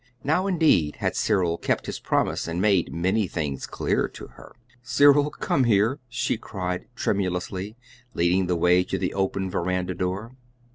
Now, indeed, had Cyril kept his promise and made "many things clear" to her. "Cyril, come here," she cried tremulously, leading the way to the open veranda door.